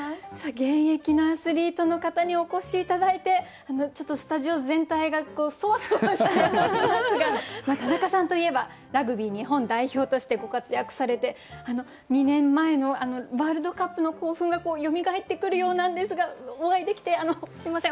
現役のアスリートの方にお越し頂いてちょっとスタジオ全体がそわそわしておりますが田中さんといえばラグビー日本代表としてご活躍されて２年前のワールドカップの興奮がよみがえってくるようなんですがお会いできてすみません